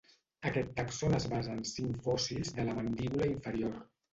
Aquest tàxon es basa en cinc fòssils de la mandíbula inferior.